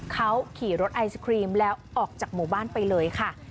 เขาขี่รถไอศครีมแล้วออกจากหมู่บ้านไปเลยค่ะ